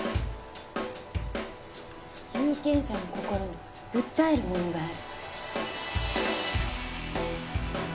有権者の心に訴えるものがある